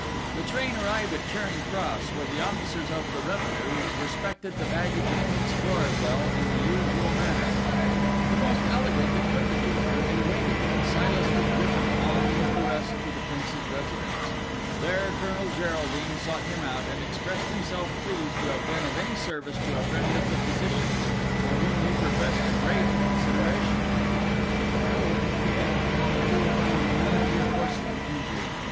The train arrived at Charing Cross, where the officers of the Revenue respected the baggage of Prince Florizel in the usual manner. The most elegant equipages were in waiting; and Silas was driven, along with the rest, to the Prince's residence. There Colonel Geraldine sought him out, and expressed himself pleased to have been of any service to a friend of the physician's, for whom he professed a great consideration. "I hope," he added, "that you will find none of your porcelain injured.